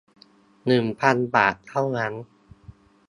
หนึ่งพัน บาทเท่านั้น